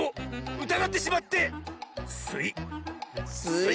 うたがってしまってすい！